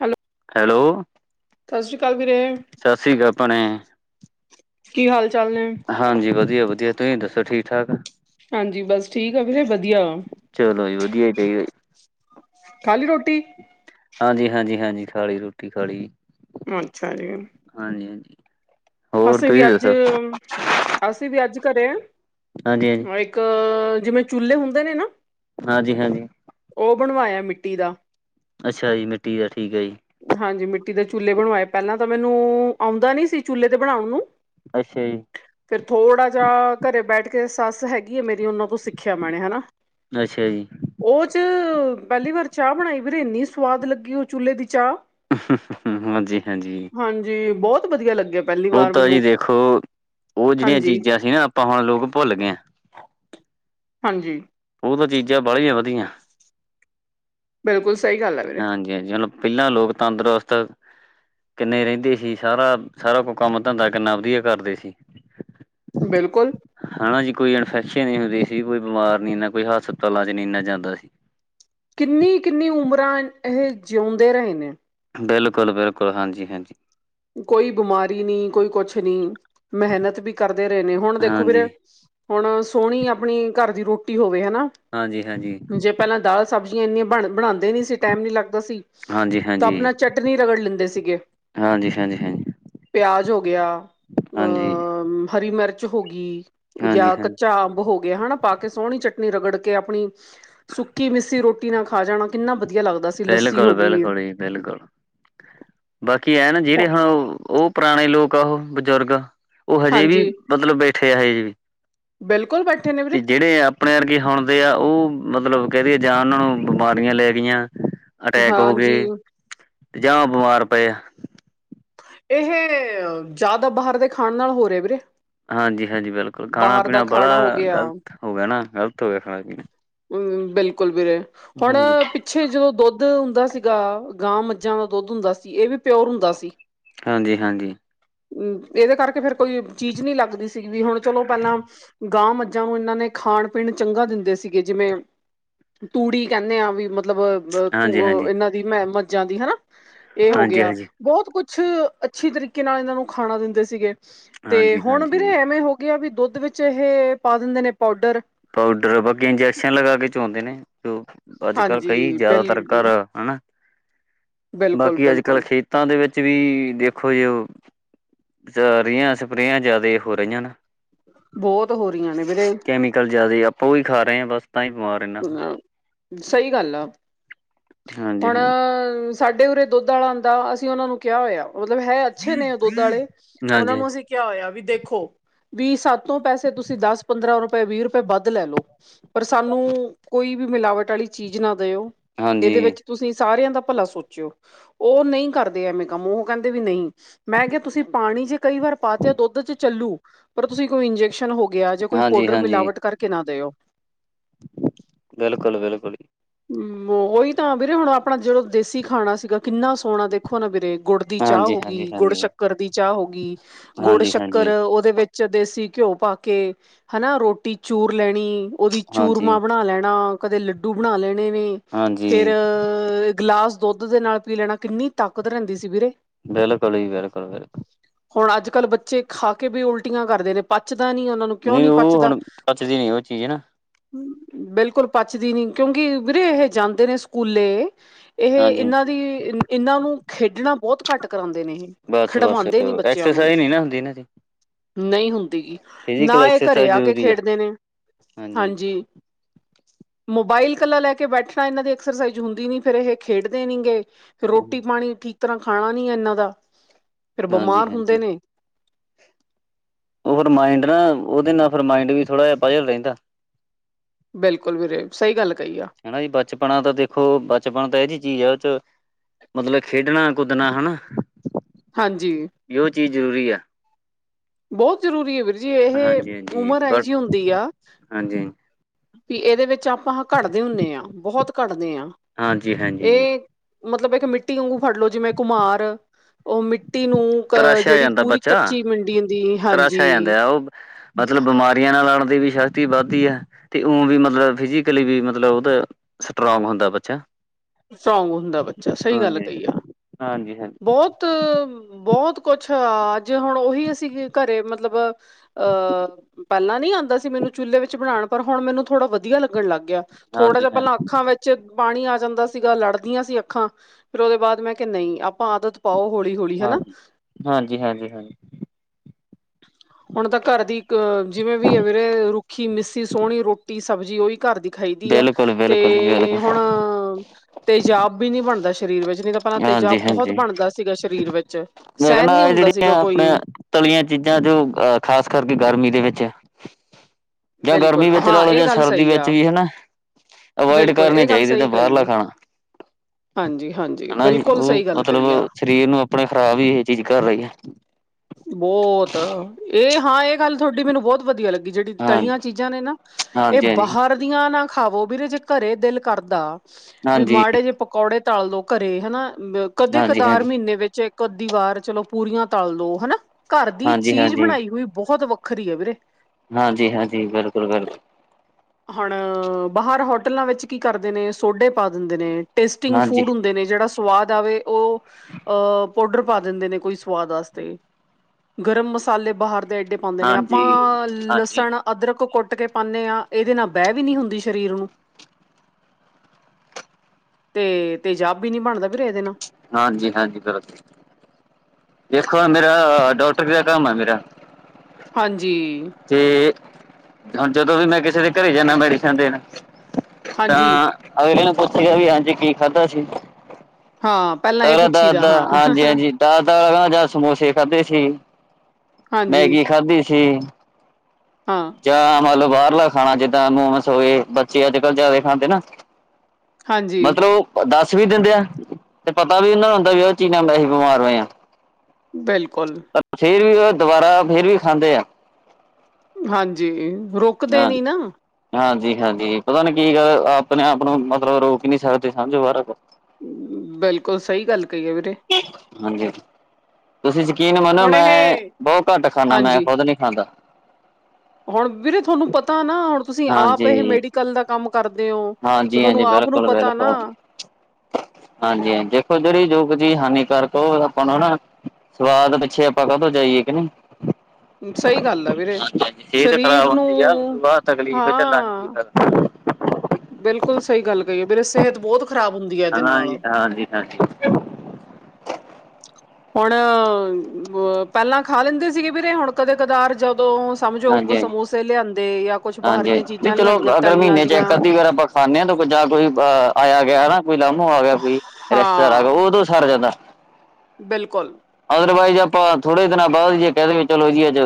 Hello hello, ਸਤਿ ਸ਼੍ਰੀ ਅਕਾਲ ਵੀਰੇ ਸਸ ਰੀ ਕਾਲ ਪੈਣੇ। ਕੀ ਹਾਲ ਚਾਲ ਨੇ ਹਾਂਜੀ ਵਧੀਆ- ਵਧੀਆ ਤੁਸੀਂ ਦੱਸੋ ਠੀਕ -ਠਾਕ ਹਾਂਜੀ! ਬਸ ਠੀਕ ਆ ਵੀਰੇ ਵਧੀਆ ਵ ਚਲੋ ਜੀ ਵਧੀਆ ਹੀ ਚਾਹੀਦਾ ਖਾ ਲਈ ਰੋਟੀ ਹਾਂਜੀ- ਹਾਂਜੀ- ਹਾਂਜੀ ਖਾਲੀ ਰੋਟੀ ਖਾਲੀ। ਹੂੰ ਅੱਛਾ ਜੀ। ਹਾਂਜੀ ਹੋਰ ਅਸੀਂ ਤੁਸੀਂ ਵੀ ਅੱਜ, ਦੱਸੋ ਅਸੀਂ ਵੀ ਅੱਜ ਘਰੇ ਆ ਹਾਂਜੀ ਹਾਂਜੀ ਵਾਏ ਕ ਜਿਵੇਂ ਚੁੱਲੇ ਹੁੰਦੇ ਨੇ ਨਾ ਹਾਂਜੀ- ਹਾਂਜੀ ਉਹ ਬਣਵਾਇਆ ਮਿੱਟੀ ਦਾ ਅੱਛਾ ਜੀ, ਮਿੱਟੀ ਦਾ ਠੀਕ ਹੈ ਜੀ। ਹਾਂਜੀ! ਮਿੱਟੀ ਦੇ ਚੁੱਲੇ ਬਣਵਾਏ ਪਹਿਲਾਂ ਤਾਂ ਮੈਨੂੰ ਆਉਂਦਾ ਨਹੀਂ ਸੀ ਚੁੱਲ੍ਹੇ ਦੇ ਬਣਾਉਣ ਨੂੰ। ਅੱਛਾ ਜੀ! ਥੋੜ੍ਹਾ ਜਿਹਾ ਘਰੇ ਬੈਠ ਕੇ ਸੱਸ ਹੈਗੀ ਆ ਮੇਰੀ ਉਹਨਾਂ ਤੋਂ ਸਿੱਖਿਆ ਮੈਂਨੇ ਹਨਾਂ। ਅੱਛਾ ਜੀ! ਉਹ 'ਚ ਪਹਿਲੀ ਵਾਰ ਚਾਹ ਬਣਾਈ ਵੀਰੇ ਇੰਨੀ ਸਵਾਦ ਲੱਗੀ ਉਹ ਚੁੱਲ੍ਹੇ ਦੀ ਚਾਹ ਹੂੰ -ਹੂੰ ਹਾਂਜੀ- ਹਾਂਜੀ ਹਾਂਜੀ! ਬਹੁਤ ਵਧੀਆ ਲੱਗਿਆ। ਪਹਿਲੀ ਉਹ ਵਾਰ ਤਾਂ ਜੀ ਮੈਨੂੰ ਵੇਖੋ, ਉਹ ਜਿਹੜੀਆਂ ਹਾਂਜੀ ਚੀਜ਼ਾਂ ਸੀ ਨਾ ਆਪਾਂ ਹੁਣ ਲੋਕ ਭੁੱਲ ਗਏ ਆਂ। ਹਾਂਜੀ! ਉਹ ਤਾਂ ਚੀਜ਼ਾਂ ਵਾਲੀਆਂ ਵਧੀਆ ਬਿਲਕੁਲ ਸਹੀ ਗੱਲ ਆ। ਹਾਂਜੀ -ਹਾਂਜੀ ਹੁਣ ਪਹਿਲਾਂ ਲੋਕਤੰਤਰ ਰੁਸਤ ਕਿੰਨੇ ਰਹਿੰਦੇ ਹੀ ਸਾਰਾ ਸਾਰਾ ਕੋਈ ਕੰਮ ਧੰਦਾ ਕਿੰਨਾ ਵਧੀਆ ਕਰਦੇ ਸੀ। ਬਿਲਕੁਲ ਹਨਾ ਜੀ ਕੋਈ ਇਨਫੈਕਸ਼ਨ ਹੁੰਦੀ ਸੀ ਕੋਈ ਬਿਮਾਰ ਨੀ ਇਨਾ ਕੋਈ ਹਸਪਤਾਲਾਂ ਚ ਨੀ ਇਨਾ ਜਾਂਦਾ ਸੀ। ਕਿੰਨੀ ਕਿੰਨੀ ਉਮਰਾਂ ਇਹ ਜਿਉਂਦੇ ਰਹੇ ਨੇ। ਬਿਲਕੁਲ ਬਿਲਕੁਲ ਹਾਂਜੀ ਹਾਂਜੀ ਕੋਈ ਬਿਮਾਰੀ ਨੀ ਕੋਈ ਕੁਛ ਨਈ ਮਿਹਨਤ ਵੀ ਕਰਦੇ ਰਹੇ ਨੇ ਹੁਣ ਦੇਖੋ ਵੀਰੇ ਹਾਂਜੀ, ਹੁਣ ਸੋਹਣੀ ਆਪਣੀ ਘਰ ਦੀ ਰੋਟੀ ਹੋਵੇ ਹਨਾ ਹਾਂਜੀ ਹਾਂਜੀ ਜੇ ਪਹਿਲਾਂ ਦਾਲ ਸਬਜ਼ੀਆਂ ਇੰਨੀਆਂ ਬਣ ਬਣਾਂਦੇ ਨਈ ਸੀ। ਟਾਈਮ ਨੀ ਲੱਗਦਾ ਸੀ ਹਾਂਜੀ, ਹਾਂਜੀ। ਤਾਂ ਆਪਣਾ ਚਟ ਚਟਨੀ ਰਗੜ ਲੈਂਦੇ ਸੀਗੇ। ਹਾਂਜੀ ਹਾਂਜੀ ਹਾਂਜੀ ਪਿਆਜ ਹੋ ਗਿਆ ਹਾਂਜੀ, ਹੂੰ ਹਰੀ ਮਿਰਚ ਹੋ ਗਈ ਹਾਂਜੀ, ਗਿਆ ਹਾਂਜੀ ਕੱਚਾ ਅੰਬ ਹੋ ਗਿਆ ਹਨਾ ਪਾ ਕੇ ਸੋਹਣੀ ਚਟਨੀ ਰਗੜ ਕੇ ਆਪਣੀ ਸੁੱਕੀ ਮਿੱਸੀ ਰੋਟੀ ਨਾਲ ਖਾ ਜਾਣਾ ਕਿੰਨਾ ਵਧੀਆ ਲੱਗਦਾ ਸੀ। ਲੱਸੀ ਬਿਲਕੁਲ ਹੋ ਗਈ ਬਿਲਕੁਲ ਜੀ ਬਿਲਕੁਲ, ਬਾਕੀ ਐ ਨਾ ਜਿਹੜੇ ਉਹ ਹੁਣ ਉਹ ਪੁਰਾਣੇ ਲੋਕ ਆ ਉਹ ਬਜ਼ੁਰਗ ਉਹ ਹਜੇ ਵੀ ਹਾਂਜੀ, ਮਤਲਬ ਬੈਠੇ ਆ ਹਜੇ ਵੀ ਬਿਲਕੁਲ ਬੈਠੇ ਨੇ ਵੀਰੇ ਤੇ ਜਿਹੜੇ ਆਪ ਆਪਣੇ ਅਰਗੇ ਹੁਣਦੇ ਆ ਉਹ ਮਤਲਬ ਕਹਿਦੇ ਏ ਜਾਣ ਬਿਮਾਰੀਆਂ ਲੈ ਗਈਆਂ। ਅਟੈਕ ਹੋ ਹਾਂਜੀ ਗਏ ਤੇ ਜਾਂ ਬਿਮਾਰ ਪਏ ਆ। ਇਹ ਜ਼ਿਆਦਾ ਬਾਹਰ ਦੇ ਖਾਣ ਨਾਲ ਹੋ ਰਹੇ ਵੀਰੇ ਹਾਂਜੀ ਹਾਂਜੀ ਬਿਲਕੁਲ ਖਾਣਾ ਬਾਹਰ ਦਾ ਪੀਣਾ ਖਾਣਾ ਹੋ ਬੜਾ ਗਿਆ ਗ਼ਲਤ ਹੋ ਗਿਆ ਨਾ ਗ਼ਲਤ ਹੋ ਗਿਆ ਖਾਣਾ ਪੀਣਾ ਹੂੰ ਬਿਲਕੁਲ ਵੀਰੇ ਹੁਣ ਹਾਂਜੀ। ਪਿੱਛੇ ਜਦੋਂ ਦੁੱਧ ਹੁੰਦਾ ਸੀਗਾ ਗਾਂ ਮੱਝਾਂ ਦਾ ਦੁੱਧ ਹੁੰਦਾ ਸੀ ਇਹ ਵੀ ਪਿਓਰ ਹੁੰਦਾ ਸੀ। ਹਾਂਜੀ ਹਾਂਜੀ ਹਮ ਇਹਦੇ ਕਰਕੇ ਫੇਰ ਕੋਈ ਚੀਜ਼ ਨਹੀਂ ਲੱਗਦੀ ਸੀਗੀ ਵੀ ਹੁਣ ਚਲੋ ਪਹਿਲਾਂ ਗਾਂ, ਮੱਝਾਂ ਨੂੰ ਇਹਨਾਂ ਨੇ ਖਾਣ ਪੀਣ ਚੰਗਾ ਦਿੰਦੇ ਸੀਗੇ ਜਿਵੇਂ ਤੂੜੀ ਕਹਿੰਨੇ ਆ ਵੀ ਮਤਲਬ ਤੂੰ ਹਾਂਜੀ-ਹਾਂਜੀ, ਇਹਨਾਂ ਦੀ ਮੈਂ ਮੱਝਾਂ ਦੀ ਹਨਾ ਇਹ ਹੋ ਗਿਆ ਹਾਂਜੀ-ਹਾਂਜੀ, ਬਹੁਤ ਕੁਝ ਛ ਅੱਛੀ ਤਰੀਕੇ ਨਾਲ ਇਹਨਾਂ ਨੂੰ ਖਾਣਾ ਦਿੰਦੇ ਸੀਗੇ ਤੇ ਹੁਣ ਵੀਰੇ ਹਾਂਜੀ-ਹਾਂਜੀ। ਐਵੇਂ ਹੋ ਗਿਆ ਵੀ ਦੁੱਧ ਵਿੱਚ ਇਹ ਪਾ ਦਿੰਦੇ ਨੇ ਪਾਊਡਰ ਪਾਊਡਰ ਬਾਕੀ ਇੰਜੈਕਸ਼ਨ ਲਗਾ ਕੇ ਚਉਂਦੇ ਨੇ ਦੁ ਅੱਜ ਕੱਲ ਕਈ ਹਾਂਜੀ ਬਿਲ ਜਿਆਦਾਤਰ ਘਰ ਹਨਾ ਬਿਲਕੁਲ ਬਾਕੀ ਅੱਜ ਕੱਲ੍ਹ ਬਿਲਕੁਲ ਖੇਤਾਂ ਦੇ ਵਿੱਚ ਵੀ ਦੇਖੋ ਯੋ ਸਾਰੀਆਂ ਸਪਰੇਆਂ ਜਿਆਦਾ ਈ ਹੋ ਰਹੀਆਂ ਨੇ। ਬੋਤ ਹੋ ਰਹੀਆਂ ਨੇ ਵੀਰੇ ਕਲ ਜਿਆਦੇ ਆਪਾਂ ਵੀ ਖਾ ਰੇ ਆਂ ਬਸ ਤਾਂਹੀ ਬਮਾਰ ਪੈਂ ਅ ਸਹੀ ਗੱਲ ਆ ਹੁਣ ਹਾਂਜੀ-ਹਾਂਜੀ, ਸਾਡੇ ਉਰੇ ਦੁੱਧ ਆਲਾ ਆਂਦਾ ਵਾਂ, ਅਸੀਂ ਉਹਨਾਂ ਨੂੰ ਕਿਹਾ ਹੋਇਆ ਮਤਲਬ ਹੈ ਅੱਛੇ ਨੇ ਉਹ ਦੁੱਧ ਆਲੇ, ਉਹਨਾਂ ਹਾਂਜੀ। ਨੂੰ ਅਸੀਂ ਕਿਆ ਹੋਇਆ ਵੀ ਦੇਖੋ ਵੀ ਸੱਤੋਂ ਪੈਸੇ ਤੁਸੀਂ ਦਸ ਪੰਦਰਾਂ ਰੁਪਏ ਵੀਹ ਰੁਪਏ ਵੱਧ ਲੈ ਲੋ ਪਰ ਸਾਨੂੰ ਕੋਈ ਵੀ ਮਿਲਾਵਟ ਆਲੀ ਚੀਜ਼ ਨਾ ਦਿਓ, ਇਹਦੇ ਹਾਂਜੀ, ਵਿੱਚ ਤੁਸੀਂ ਸਾਰਿਆਂ ਦਾ ਭਲਾ ਸੋਚਿਓ, ਉਹ ਨਹੀਂ ਕਰਦੇ ਐਵੇਂ ਕੰਮ ਉਹ ਕਹਿੰਦੇ ਵੀ ਨਹੀਂ। ਮੈਂ ਕਿਹਾ ਤੁਸੀਂ ਪਾਣੀ ਜੇ ਕਈ ਵਾਰ ਪਾਚ ਦੁੱਧ ਚ ਚੱਲੂ ਪਰ ਤੁਸੀਂ ਕੋਈ ਇੰਜੈਕਸ਼ਨ ਹੋ ਗਿਆ ਜੇ ਕੋਈ ਪੋਡਰ ਮਿਲਾਵਟ ਕਰਕੇ ਨਾ ਦਿਓ। ਬਿਲਕੁਲ ਬਿਲਕੁਲ। ਹਮ ਉਹੀ ਤਾਂ ਵੀਰੇ ਹੁਣ ਆਪਣਾ ਜਿਹੜਾ ਦੇਸੀ ਖਾਣਾ ਸੀਗਾ ਕਿੰਨਾ ਸੋਹਣਾ ਦੇਖੋ ਨਾ ਵੀਰੇ ਗੁੜ ਦੀ ਚਾਹ ਹੋ ਹਾਂਜੀ-ਹਾਂਜੀ, ਗਈ, ਗੁੜ ਹਾਂਜੀ। ਸ਼ੱਕਰ ਦੀ ਚਾਹ ਹੋ ਗਈ, ਗੁੜ ਹਾਂਜੀ-ਹਾਂਜੀ, ਹਾਂਜੀ। ਹਾਂਜੀ, ਸ਼ੱਕਰ ਹਾਂਜੀ, ਉਹਦੇ ਵਿੱਚ ਚ ਦੇਸੀ ਘਿਓ ਪਾ ਕੇ ਹਨਾ ਰੋਟੀ ਚੂਰ ਲੈਣੀ ਉਹਦੀ ਹਾਂਜੀ ਚੂਰਮਾ ਬਣਾ ਲੈਣਾ, ਕਦੇ ਲੱਡੂ ਬਣਾ ਲੈਣੇ ਨੇ। ਫਿਰ ਹਾਂਜੀ, ਗਲਾਸ ਦੁੱਧ ਦੇ ਨਾਲ ਪੀ ਲੈਣਾ ਕਿੰਨੀ ਤਾਕਤ ਰਹਿੰਦੀ ਸੀ ਵੀਰੇ। ਬਿਲਕੁਲ ਜੀ ਬਿਲਕੁਲ ਬਿਲਕੁਲ। ਹੁਣ ਅੱਜ ਕੱਲ੍ਹ ਬੱਚੇ ਖਾ ਕੇ ਵੀ ਉਲਟੀਆਂ ਕਰਦੇ ਨੇ ਪਚਦਾ ਨੀ ਉਹਨਾਂ ਨੂੰ ਕਿਉਂ ਨਹੀਂ ਨੀ ਉਹ ਪਚਦਾ? ਹੁਣ ਪਚਦੀ ਨੀ ਉਹ ਚੀਜ਼ ਨਾ ਹੂੰ ਬਿਲਕੁਲ ਪਚਦੀ ਨੀ ਕਿਉਂਕਿ ਵੀਰੇ ਇਹ ਜਾਂਦੇ ਨੇ ਸਕੂਲੇ ਇਹ ਹਾਂਜੀ, ਇਹਨਾਂ ਦੀ ਇਹਨਾਂ ਨੂੰ ਖੇਡਣਾ ਬਹੁਤ ਘੱਟ ਕਰਾਉਂਦੇ ਨੇ। ਬਸ ਬਸ ਖਿਡਵਾਉਂਦੇ ਨੀ ਬੱਚਿਆਂ ਨੂੰ ਐਕਸਰਸਾਈਜ਼ ਨੀ ਨਾ ਹੁੰਦੀ ਇਹਨਾਂ ਦੀ। ਨਹੀਂ ਹੁੰਦੀ ਗੀ ਫਿਜ਼ੀਕਲ ਨਾਂ ਇਹ ਘਰੇ ਐਕਸਰਸਾਈਜ਼ ਆ ਕੇ ਜ਼ਰੂਰੀ ਖੇਡਦੇ ਨੇ ਹਾਂਜੀ। ਬਾਈਲ ਕੱਲਾ ਲੈ ਕੇ ਬੈਠ ਹੋਏ, ਇਹਨਾਂ ਦੀ ਐਕਸਰਸਾਈਜ਼ ਹੁੰਦੀ ਨੀ ਫੇਰ ਇਹ ਖੇਡਦੇ ਨੀ ਗੇ ਫੇਰ ਰੋਟੀ ਪਾਣੀ ਠੀਕ ਤਰ੍ਹਾਂ ਖਾਣਾ ਨੀ ਇਹਨਾਂ ਦਾ ਫਿਰ ਹਾਂਜੀ ਬਿਮਾਰ ਹੁੰਦੇ ਹਾਂਜੀ। ਨੇ ਉਹ ਫੇਰ ਮਾਇੰਡ ਨਾ ਉਹਦੇ ਨਾਲ ਫੇਰ ਮਾਇੰਡ ਵੀ ਥੋੜਾ ਜਿਹਾ ਪਜਲ ਰਹਿੰਦਾ। ਬਿਲਕੁਲ ਵੀਰੇ ਸਹੀ ਗੱਲ ਕਹੀ ਆ। ਹਨਾ ਜੀ ਬਚਪਨਾ ਤਾਂ ਦੇਖੋ ਬਚਪਨ ਤਾਂ ਇਹ ਜਿਹੀ ਚੀਜ਼ ਚ ਮਤਲਬ ਖੇਡਣਾ, ਕੁੱਦਣਾ ਹਨਾ ਹਾਂਜੀ ਇਹੋ ਚੀਜ਼ ਜ਼ਰੂਰੀ ਆ। ਬੋਤ ਜ਼ਰੂਰੀ ਐ ਵੀਰ ਜੀ ਇਹ ਹਾਂਜੀ-ਹਾਂਜੀ ਉਮਰ ਐ ਬਟ ਜਿਹੀ ਹੁੰਦੀ ਆ ਹਾਂਜੀ, ਵੀ ਇਹਦੇ ਵਿੱਚ ਆਪਾਂ ਕੜਦੇ ਹੁੰਨੇ ਆਂ ਬਹੁਤ ਕੜਦੇ ਆਂ ਹਾਂਜੀ-ਹਾਂਜੀ ਇਹ ਮਤਲਬ ਇੱਕ ਮਿੱਟੀ ਵਾਂਗੂ ਫੜ ਲੋ। ਜਿਵੇਂ- ਘੁਮਾਰ ਓ ਮਿੱਟੀ ਨੂੰ ਅ ਤਰਾਸ਼ਿਆ ਜਿਹੜੀ ਜਾਂਦਾ ਪੂਰੀ ਬੱਚਾ ਕੱਚੀ ਮੰੰਡੀ ਹੁੰਦੀ ਏ। ਤਰ੍ਹਾਂ ਹਾਂਜੀ ਛਾ ਜਾਂਦਾ ਆ ਉਹ [unintelligible] ਨਾਲ ਆਉਣ ਦੀ ਵੀ ਸ਼ਕਤੀ ਵਦਦੀ ਏ। ਤੇ ਊਂ ਵੀ ਮਤਲਬ ਫਿਜੀਕਲੀ ਵੀ ਮਤਲਬ ਉਦਾ ਸਟਰੋਂਗ ਹੁੰਦਾ ਬੱਚਾ। ਸਟਰੋਂਗ ਹੁੰਦਾ ਬੱਚਾ, ਸਹੀ ਗੱਲ ਹਾਂਜੀ ਕਹੀ ਆ। ਹਾਂਜੀ, ਹਾਂਜੀ ਬਹੁਤ, ਬਹੁਤ ਕੁਛ ਅ ਅੱਜ ਹੁਣ ਉਹੀ ਅਸੀਂ ਘਰੇ ਮਤਲਬ ਅਹ ਪਹਿਲਾਂ ਨੀਂ ਆਂਦਾ ਸੀ। ਮੈਨੂੰ ਚੁੱਲੇ ਵਿੱਚ ਬਨਾਨਾ ਪਰ ਹੁਣ ਮੈਨੂੰ ਥੋੜਾ ਵਧੀਆ ਲੱਗਣ ਲੱਗ ਗਿਆ। ਥੋੜਾ ਹਾਂਜੀ ਜਾ ਪਹਿਲਾਂ ਹਾਂਜੀ ਅੱਖਾਂ ਵਿੱਚ ਪਾਣੀ ਆ ਜਾਂਦਾ ਸੀਗਾ, ਲੜਦੀਆਂ ਸੀ ਅੱਖਾਂ ਫਿਰ ਉਦੇ ਬਾਅਦ ਮੈਂ ਕਿਹਾ- ਨਹੀਂ, ਆਪਾਂ ਆਦਤ ਪਾਓ ਹੌਲ਼ੀ, ਹੌਲ਼ੀ ਹਨਾ। ਹਾਂਜੀ ਹਾਂਜੀ, ਹਾਂਜੀ, ਹਾਂਜੀ ਹੁਣ ਤਾਂ ਘਰ ਦੀ ਅ ਜਿਵੇਂ ਵੀ ਹੈ ਵੀੇਰੇ, ਰੁੱਖੀ, ਮਿਸੀ ਸੋਣੀ ਰੋਟੀ, ਸਬਜ਼ੀ ਉਹੀ ਘਰ ਦੀ ਖਾਈ ਦੀ ਆ ਬਿਲਕੁਲ ਤੇ ਬਿਲਕੁਲ ਜੀ ਬਿਲਕੁਲ ਹੁਣ ਤੇਜ਼ਾਬ ਬੀ ਨੀ ਬਣਦਾ ਸਰੀਰ ਵਿੱਚ ਨ‌ਈ ਤੇ ਹਾਂ, ਹਾਂਜੀ ਤੇਜ਼ਾਬ ਬਹੁਤ ਹਾਂਜੀ ਬਣਦਾ ਸੀਗਾ ਸ਼ਰੀਰ ਵਿੱਚ ਮੈਂ ਸਹਿਣ ਨੀ ਕਹਿੰਦਾ ਇਹ ਹੁੰਦਾ ਜਿਹੜੀਆਂ ਸੀਗਾ ਆਪਣੇ ਕੋਈ ਤਲੀਆਂ ਚੀਜ਼ਾਂ ਜੋ ਅਹ ਖਾਸ ਕਰਕੇ ਗਰਮੀ ਦੇ ਵਿੱਚ ਜਾਂ ਗਰਮੀ ਬਿਲਕੁਲ ਵਿੱਚ ਲਾ ਹਾਂ ਲਓ ਇਹ ਜਾਂ ਗੱਲ ਸਰਦੀ ਸਹੀ ਵਿੱਚ ਆ ਵੀ ਹਨਾ ਅਵੋਇਡ ਬਿਲਕੁਲ ਕਰਨੇ ਇਹ ਗੱਲ ਚਾਈਦੇ ਤਾਂ ਸਹੀ ਕਹੀ ਬਾਹਰਲਾ ਖਾਣਾ ਹਾਂਜੀ ਹਾਂਜੀ ਹਨਾ ਜੀ। ਬਿਲਕੁਲ ਉਹ ਸਹੀ ਗੱਲ ਮਤਲਬ ਕਹੀ ਆ ਸ਼ਰੀਰ ਨੂੰ ਆਪਣੇ ਖ਼ਰਾਬ ਹੀ ਇਹ ਚੀਜ਼ ਕਰ ਰਹੀ ਹੈ। ਬੌਤ ਏ ਹਾਂ ਏ ਗੱਲ ਤੁਹਾਡੀ ਮੈਨੂੰ ਬਹੁਤ ਵਧੀਆ ਲੱਗੀ। ਵੀ ਜਿਹੜੀ ਹਾਂ ਤਲੀਆਂ ਚੀਜ਼ਾਂ ਨੇ ਨਾ ਇਹ ਹਾਂਜੀ ਹਾਂਜੀ ਬਾਹਰ ਆਂ ਨਾ ਖਾਵੋ ਵੀਰੇ ਜੇ ਘਰੇ ਦਿਲ ਕਰਦਾ ਵੀ ਹਾਂਜੀ ਮਾੜੇ ਜੇ ਪ ਕੌੜੇ ਤਲ ਲੋ ਘਰੇ ਹਨਾ ਬ, ਕਦੇ ਹਾਂਜੀ ਹਾਂਜੀ ਕਦਾਰ ਮੀਨੇ‌ ਵਿੱਚ। ਇੱਕ, ਅੱਧੀ ਵਾਰ ਚਲੋ, ਪੂਰੀਆਂ ਤਲ ਲੋ ਹਨਾ ਘਰ ਦੀ ਚੀਜ਼ ਹਾਂਜੀ-ਹਾਂਜੀ, ਬਨਾਈ ਹੋਈ ਬਹੁਤ ਵੱਖਰੀ ਹੈ ਵੀਰੇ। ਹਾਂਜੀ, ਹਾਂਜੀ। ਬਿਲਕੁਲ, ਬਿਲਕੁਲ ਹੁਣ ਬਾਹਰ ਹੋਟਲਾਂ ਵਿੱਚ ਕੀ ਕਰਦੇ ਨੇ ਸੋਡੇ ਪਾ ਦਿੰਦੇ ਨੇ ਟੇਸਟਿੰਗ ਹਾਂਜੀ। ਫੂਡ ਹੁੰਦੇ ਨੇ ਜਿਹੜਾ ਸਵਾਦ ਆਵੇ ਓ ਅਹ ਪੋਡਰ ਪਾ ਦਿੰਦੇ ਨੇ ਕੋਈ ਸਵਾਦ ਆਸਤੇ ਗਰਮ ਮਸਾਲੇ ਬਾਹਰ ਦੇ ਏਡੇ ਪਾਂਦੇ ਨੇ ਬਿਲਕੁਲ ਬਿਲਕੁਲ ਆਪਾਂ ਹਾਂਜੀ, ਹਾਂਜੀ। ਲਸਣ ਅਦਰਕ ਕੁੱਟ ਕੇ ਪਾਨੇ ਆ। ਏਦੇ ਨਾਲ ਬਹਿ ਵੀ ਨੀ ਹੁੰਦੇ ਸ਼ਰੀਰ ਨੂੰ ਤੇ ਤੇਜਾਬ ਵੀ ਨੀ ਬਨਦਾ ਵੀਰੇ ਏਧੇ ਨਾ ਹਾਂਜੀ, ਹਾਂਜੀ। ਬਿਲਕੁਲ ਦੇਖੋ! ਮੇਰਾ ਡਾਕਟਰੀ ਦਾ ਕੰਮ ਆ ਮੇਰਾ ਹਾਂਜੀ। ਹੂੰ--ਜਦੋਂ ਵੀ ਮੈਂ ਕਿਸੇ ਦੇ ਘਰੇ ਜਾਨਾ ਮੈਡੀਸਨ ਦੇਣ ਤਾਂ ਹਾਂਜੀ ਆਗਲਿਆਂ ਪੁੱਛ ਰਿਆ ਵੀ ਹਾਂਜੀ ਕੀ ਖਾਧਾ ਸੀ। ਹਾਂ, ਪੈਲ ਤਗਲਾ ਦਾ ਦਾ ਹਾਂਜੀ, ਹਾਂਜੀ ਦਾ ਦਾ ਜਾਂ ਸਮੋਸੇ ਖਾਧੇ ਸੀ। ਹਾਂਜੀ ਮੈਗੀ ਖਾਧੀ ਸੀ। ਹਾਂ ਜਾਂ ਮੰਨਲੋ ਬਾਹਰਲਾ ਖਾਣਾ ਜਿੱਦਾਂ ਮੋਮਸ ਹੋ ਗੇ, ਬੱਚੇ ਅੱਜ- ਕੱਲ ਜਿਆਦਾ ਖਾਂਦੇ ਨਾ ਹਾਂਜੀ ਮਤਲਬ ਦੱਸ ਵੀ ਦਿੰਦੇ ਆ ਤੇ ਪਤਾ ਵੀ ਉਨਾਂ ਨੂੰ ਹੁੰਦਾ ਵੀ ਉਹ ਚੀਜ਼ ਨਾਲ ਮੈਂ ਵੀ ਬਿਮਾਰ ਹੋਏ ਹਾਂ। ਬਿਲਕੁਲ- ਫੇਰ ਵੀ ਉਹ ਦੁਬਾਰਾ ਫੇਰ ਵੀ ਖਾਂਦੇ ਆ ਹਾਂਜੀ ਰੁ [unintelligible] ਹਾਂਜੀ- ਹਾਂਜੀ, ਪਤਾ ਨੀਂ ਕੀ ਗੱਲ ਆਪਨੇ ਆਪ ਨੂੰ ਮਤਲਬ ਰੋਕ ਨੀ ਸਕਦੇ ਸਮਜੋ ਬਾਰ ਬਿਲਕੁਲ ਸਈ ਗੱਲ ਕਈ ਐ ਵੀਰੇ। ਹਾਂਜੀ, ਤੁਸੀਂ ਯਕੀਨ ਨੀ ਮੰਨਨਾ ਹੁਣ ਮੈਂ ਇਹ ਬੌਤ ਘੱਟ ਖਾਨਾ ਮੈਂ ਹਾਂਜੀ ਖੁਦ ਨੀ ਖਾਂਦਾ। ਹੁਣ ਵੀਰੇ, ਤੁਆਨੂੰ ਪਤਾ ਨਾ ਹੁਨ ਤੁਸੀਂ ਆਪ ਹੀ ਹਾਂਜੀ ਮੈਡੀਕਲ ਦਾ ਕੰਮ ਕਰਦੇ ਓ ਤੋ, ਹਾਂਜੀ ਹਾਂਜੀ ਤੁਆਨੂੰ ਆਪ ਨੂੰ ਬਿਲਕੁਲ ਪਤਾ ਨਾ ਬਿਲਕੁਲ ਹਾਂਜੀ- ਹਾਂਜੀ, ਦੇਖੋ ਜੇੜੀ ਜੋ ਜੀ, ਹਾਨੀਕਾਰਕ ਓ ਆਪਾਂ ਨੂੰ ਨਾ ਸਵਾਦ ਪਿੱਛੇ ਆਪਾਂ ਕਾਹਤੋਂ ਜਾਈਏ, ਕਿ ਨਈਂ। [inaudible] ਸਈ ਗੱਲ ਐ ਵੀਰੇ ਹਾਂਜੀ ਸਿਹਤ ਸਰੀਰ ਖ਼ਰਾਬ ਹੁੰਦੀ ਆ ਉਸ ਨੂੰ, ਤੋਂ ਬਾਅਦ ਤਕਲੀਫ਼ ਝੱਲਾਂਗੇ ਕੀ ਹਾਂ ਫਾਇਦਾ ਬਿਲਕੁਲ ਸਈ ਗੱਲ ਕਈ ਏ ਵੀਰੇ ਮੇਰੀ ਸੇਹਤ ਬੌਤ ਖਰਾਬ ਹੁੰਦੀ ਐ। ਹਨਾ ਜੀ, ਹਾਂਜੀ -ਹਾਂਜੀ, ਹਾਂਜੀ। ਹੁਨ ਪੈਲਾਂ ਖਾ ਲੈਂਦੇ ਸੀਗੇ ਵੀਰੇ ਹੁਨ ਕਦੇ ਕਦਾਰ ਜਦੋਂ ਸਮਝੋ ਹਾਂਜੀ ਹਾਂਜੀ ਸਮੋਸੇ ਲਿਆਂਦੇ ਯਾ ਕੁਛ ਬਾਹਰ ਹਾਂਜੀ ਦੀਆਂ ਚੀਜਾਂ ਲਿਆਂਦੀਆਂ ਤਲੀਆਂ ਜੀਆਂ ਖਾਨੇਆਂ ਤੋਂ ਜਾਂ ਕੋਈ ਆਏਆ ਗੇਆ ਨਾ ਕੋਈ ਲਾਮੋ ਆ ਗੇਆ, ਕੋਈ ਰਿਸ਼ਤੇਦਾਰ ਆ ਗੇਆ ਹਾਂ ਓਦ ਸਰ ਜਾਂਦਾ। ਬਿਲਕੁਲ। ਅਦਰਵਾਈਜ਼, ਆਪਾਂ ਥੋੜੇ ਦਿਨਾਂ ਬਾਦ ਜੇ ਕੇਹ ਦੇਈਏ ਚਲੋ ਜੀ ਅੱਜ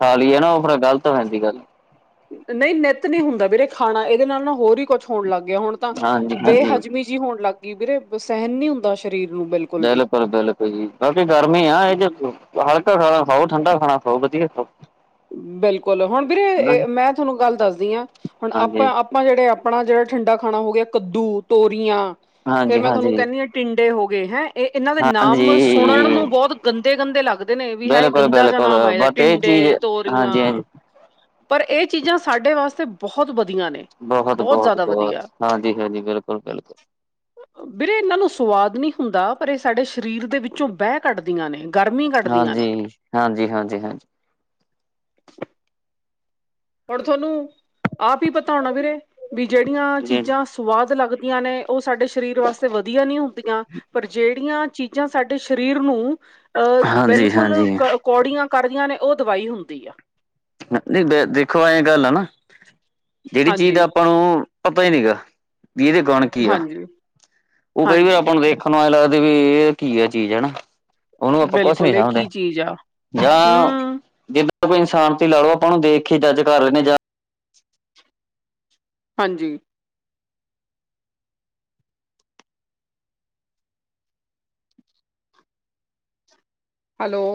ਖਾ ਲੀਏ ਨਾ, ਓ ਫੇਰ ਗਲਤ ਹੋ ਜਾਂਦੀ ਗੱਲ ਨਈਂ ਨਿੱਤ ਨੀਂ ਹੁੰਦਾ ਵੀਰੇ ਖਾਨਾ ਏਦੇ ਨਾਲ ਨਾ ਹੋਰ ਈ ਕੁੱਛ ਹੋਣ ਲੱਗ ਗੇਆ ਹੁਣ ਤਾਂ ਹਾਂਜੀ ਹਾਂਜੀ ਬੇਹਜ਼ਮੀ ਜੀ ਹੋਣ ਲੱਗ ਗਈ, ਵੀਰੇ ਸੈਹਨ ਨੀ ਹੁੰਦਾ ਸ਼ਰੀਰ ਨੂੰ ਬਿਲਕੁਲ ਵੀ ਬਿਲਕੁਲ ਬਿਲ ਬਾਕੀ ਗਰਮੀ ਆ ਏਹ 'ਚ ਹਲਕਾ ਖਾਣਾ ਖਾਓ ਠੰਡਾ ਖਾਣਾ ਖਾਓ ਵਧੀਆ ਖਾਓ। ਬਿਲਕੁਲ ਹੁਨ ਹਨਾ ਵੀਰੇ ਜੀ ਮੈਂ ਤੁਆਨੂੰ ਗੱਲ ਦੱਸਦੀ ਆਂ ਹੁਨ ਹਾਂਜੀ ਆਪਾਂ ਆਪਾਂ ਜੇੜੇ ਆਪਣਾ ਜੇੜਾ ਠੰਡਾ ਖਾਣਾ ਹੋ ਗੇਆ ਕੱਦੂ, ਤੋਰੀਆਂ ਫ਼ੇਰ ਹਾਂਜੀ ਮੈਂ ਤੁਹਾਨੂੰ ਹਾਂਜੀ ਕੈਂਹ ਟਿੰਡੇ ਹੋ ਗਏ, ਹੈਂ ਏਹ ਏਨਾਂ ਦੇ ਨਾਮ ਸੁਣਨ ਹਾਂਜੀ ਨੂੰ ਬੌਤ ਗੰਦੇ -ਗੰਦੇ ਲੱਗਦੇ ਨੇ, ਵੀ ਹਾਂ ਏਹ ਬਿਲਕੁਲ ਗੰਦਾ ਜੇਆ ਬਿਲਕੁਲ ਨਾਮ ਆ ਏਦਾ ਬਟ ਇਹ ਚੀਜ਼ ਟਿੰਡੇ, ਤੋ ਹਾਂਜੀ ਤੋਰੀਆਂ, ਹਾਂਜੀ ਪਰ ਏਹ ਚੀਜ਼ਾਂ ਸਾਡੇ ਵਾਸਤੇ ਬੋਹਤ ਵਧੀਆ ਨੇ। ਬੋਹਤ- ਬਹੁਤ, ਜ਼ਿਆਦਾ ਵਧੀਆ ਬੋਹਤ, ਹਾਂਜੀ- ਹਾਂਜੀ, ਬਿਲਕੁਲ -ਬਿਲਕੁਲ। ਬੀਰੇ ਏਨਾਂ ਨੂੰ ਸਵਾਦ ਨੀਂ ਹੁੰਦਾ ਪਰ ਏ ਸਾਡੇ ਸ਼ਰੀਰ ਦੇ ਵਿੱਚੋਂ ਬੈ ਕੱਡਦੀਆਂ ਨੇ, ਗਰ ਹਾਂਜੀ-ਹਾਂਜੀ, ਹਾਂਜੀ- ਹਾਂਜੀ। ਹੁਨ ਥੋਨੂੰ ਆਪ ਈ ਪਤਾ ਹੋਨਾ ਵੀਰੇ, ਜੇਹੜੀਆਂ ਹਾਂਜੀ। ਚੀਜਾਂ ਸਵਾਦ ਲੱਗਦੀਆਂ ਨੇ ਓ ਸਾਡੇ ਸ਼ਰੀਰ ਵਾਸਤੇ ਵਧੀਆ ਨਈਂ ਹੁੰਦੀਆਂ, ਪਰ ਜੇਹੜੀਆਂ ਚੀਜਾਂ ਸਾਡੇ ਸ਼ਰੀਰ ਨੂੰ ਆ ਹਾਂਜੀ, ਬਿਲਕੁਲ ਹਾਂਜੀ ਕ ਕੌੜੀਆਂ ਕਰਦੀਆਂ ਨੇ ਓ ਦਵਾਈ ਹੁੰਦੀ ਆ। ਨਈਂ ਦੇਖੋ, ਐਂ ਗੱਲ ਆ ਨਾ ਜੇੜੀ ਚੀਜ ਹਾਂਜੀ ਆਪਾਂ ਨੂੰ ਪਤਾ ਈ ਨੀ ਗਾ ਵੀ ਇਦੇ ਗੁਣ ਕੀ ਆ, ਹਾਂਜੀ ਓ ਕਈ ਵਾਰ ਹਾਂਜੀ ਆਪਾਂ ਨੂੰ ਦੇਖ ਸਾਨੂੰ ਐਂ ਲੱਗਦਾ ਵੀ ਘੀਆ ਚੀਜ਼ ਐ ਨਾ। ਓਨੂੰ ਆਪਾਂ ਕੁਛ ਨੀ ਬਿਲਕੁਲ ਇਹ ਸਮਜਦੇ ਕੀ ਚੀਜ਼ ਆ ਜਾਂ ਹਮ [unintelligible] ਕੋਈ ਇਨਸਾਨ ਤੇ ਲਓ ਆਪਾਂ ਓਨੂੰ ਦੇਖ ਕੇ ਜੱਜ ਕਰ ਲੈਂਦੇ ਜਾਂ ਹਾਂਜੀ। ਹੈਲੋ